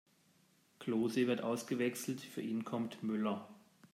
Klose wird ausgewechselt, für ihn kommt Müller.